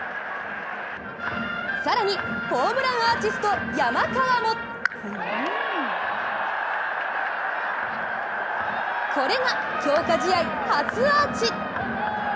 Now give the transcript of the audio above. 更に、ホームランアーチスト・山川もこれが強化試合初アーチ。